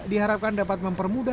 diharapkan dapat mempermudahkan